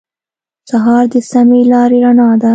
سهار د سمې لارې رڼا ده.